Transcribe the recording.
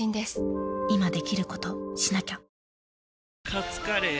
カツカレー？